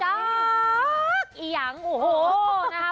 เลขอียังโอ้โห